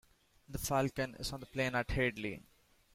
The "Falcon" is on the Plain at Hadley.